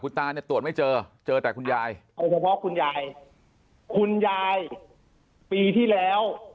ตาเนี่ยตรวจไม่เจอเจอแต่คุณยายเอาเฉพาะคุณยายคุณยายปีที่แล้ว